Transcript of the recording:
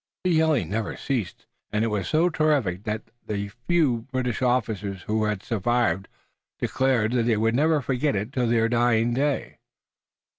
The yelling never ceased, and it was so terrific that the few British officers who survived declared that they would never forget it to their dying day.